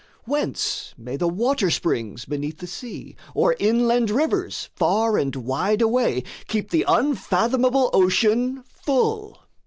Whence may the water springs, beneath the sea, Or inland rivers, far and wide away, Keep the unfathomable ocean full?